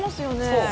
そう。